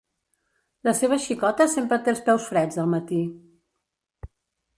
La seva xicota sempre té els peus freds al matí.